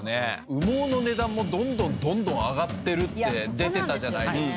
羽毛の値段もどんどんどんどん上がってるって出てたじゃないですか。